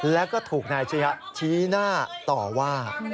แล้วก็ถูกนายชะยะชี้หน้าต่อว่า